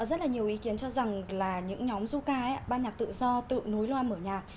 rất là nhiều ý kiến cho rằng là những nhóm du ca ban nhạc tự do tự nối loan mở nhà